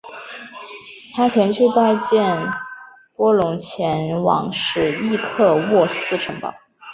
他前去拜见波隆前往史铎克渥斯城堡。